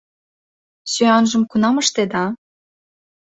— Сӱанжым кунам ыштеда?